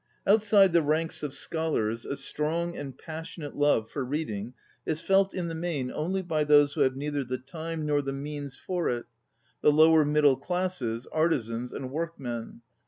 Outside the ranks of scholars, a strong and passionate love for reading is felt, in the main, only by those who have neither the time 10 ON READING nor the means for it, ŌĆö the lower middle classes, artisans, and work men.